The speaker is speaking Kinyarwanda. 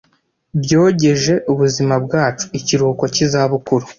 Byogeje ubuzima bwacu, ikiruhuko cy'izabukuru;